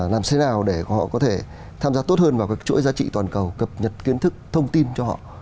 làm thế nào để họ có thể tham gia tốt hơn vào các chuỗi giá trị toàn cầu cập nhật kiến thức thông tin cho họ